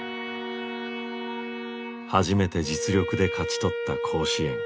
初めて実力で勝ち取った甲子園。